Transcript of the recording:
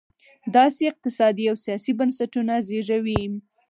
داسې اقتصادي او سیاسي بنسټونه زېږوي.